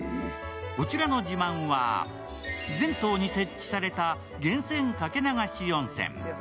こちらの自慢は、全棟に設置された源泉掛け流し温泉。